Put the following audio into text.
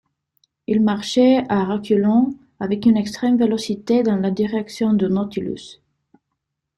Il marchait à reculons avec une extrême vélocité dans la direction du Nautilus.